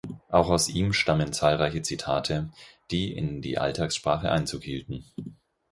Auch aus ihm stammen zahlreiche Zitate, die in die Alltagssprache Einzug hielten.